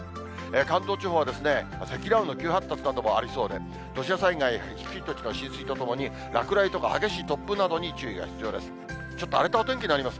関東地方は積乱雲の急発達などもありそうです、土砂災害や低い土地の浸水とともに落雷とか激しい突風などに注意が必要です。